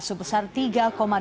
sebesar tiga delapan juta dolar